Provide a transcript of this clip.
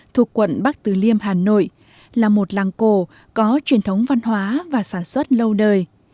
thuộc quận bắc từ liêm hà nội là một làng cổ có truyền thống văn hóa và sản xuất lâu đời